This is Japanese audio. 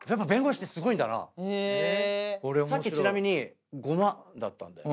さっきちなみに５万だったんだよ。